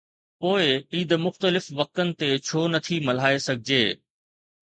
پوءِ عيد مختلف وقتن تي ڇو نٿي ملهائي سگهجي؟